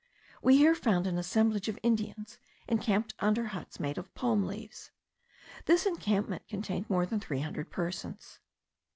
We here found an assemblage of Indians, encamped under huts made of palm leaves. This encampment contained more than three hundred persons.